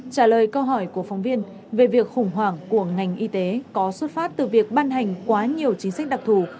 trả lời câu hỏi của phóng viên về việc khủng hoảng của ngành y tế có xuất phát từ việc ban hành quá nhiều chính sách đặc thù